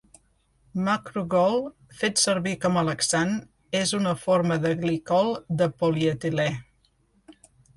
Macrogol, fet servir com a laxant, és una forma de glicol de polietilè.